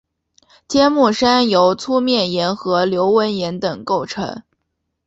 天目山由粗面岩和流纹岩等构成。